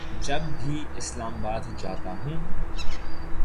جب بھی اسلام آباد جاتا ہوں